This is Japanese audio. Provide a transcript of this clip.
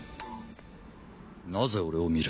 なぜ俺を見る？